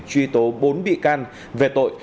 truy tố bốn bị can về tội